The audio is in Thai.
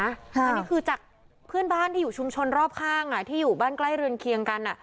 อันนี้คือจากเพื่อนบ้านที่อยู่ชุมชนรอบข้างที่อยู่บ้านใกล้เรือนเคียงกัน